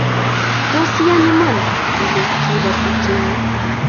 Tos I yan iman ile ki abar tupchenyu